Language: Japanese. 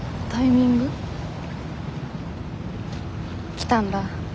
来たんだ。